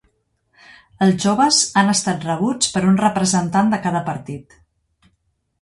Els joves han estat rebuts per un representant de cada partit.